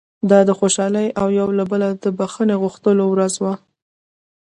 دا د خوشالۍ او یو له بله د بښنې غوښتلو ورځ ده.